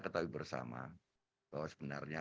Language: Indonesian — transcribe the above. tetap bersama bahwa sebenarnya